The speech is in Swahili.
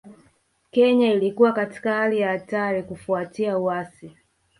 Kenya ilikuwa katika hali ya hatari kufuatia uasi